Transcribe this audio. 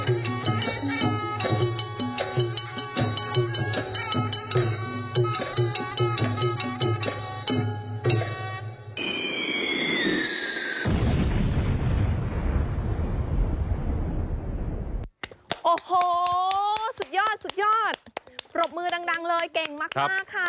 โอ้โหสุดยอดรบมือดังเลยเก่งมากค่ะ